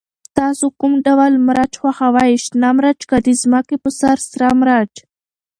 تاسو کوم ډول مرچ خوښوئ، شنه مرچ که د ځمکې په سر سره مرچ؟